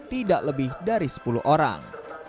tidak lebih dari sepuluh orang